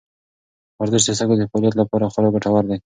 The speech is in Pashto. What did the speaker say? ورزش د سږو د فعالیت لپاره خورا ګټور دی.